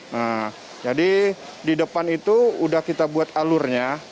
nah jadi di depan itu udah kita buat alurnya